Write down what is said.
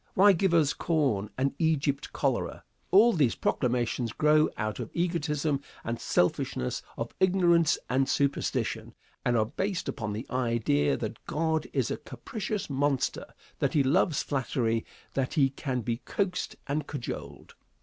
Why give us corn, and Egypt cholera? All these proclamations grow out of egotism and selfishness, of ignorance and superstition, and are based upon the idea that God is a capricious monster; that he loves flattery; that he can be coaxed and cajoled.